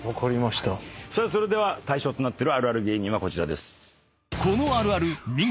それでは対象となってるあるある芸人はこちらです。